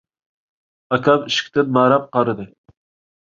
ئاكام ئىشىكتىن ماراپ قارىدى.